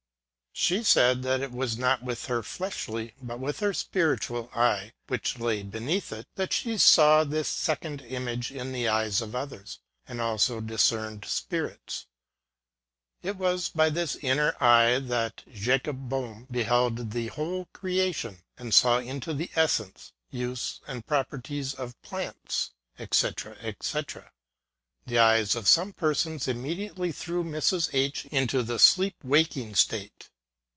She said, that it was not with her fleshly, but with her spiritual eye, which lay beneath it, that she saw this second image in the eyes of others, and also dis cerned spirits. It was by this inner eye that Jacob Bbhm beheld the whole creation, and saw into the essences, use, and properties of plants, &c. &c. The eyes of some persons immediately threw Mrs. H into the sleep waking state.